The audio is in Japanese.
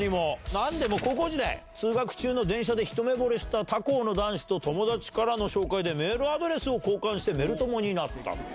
なんでも高校時代、通学中の電車で一目ぼれした他校の男子と友達からの紹介でメールアドレスを交換してメル友になったと。